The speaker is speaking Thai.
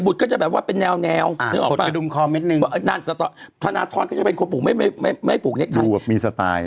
ไม่ปลูกเน็ตไทยดูแบบมีสไตล์